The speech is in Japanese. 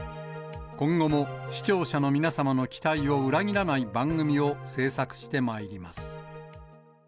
今後も視聴者の皆様の期待を裏切らない番組を制作してまいります。